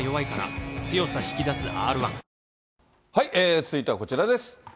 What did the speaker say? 続いてはこちらです。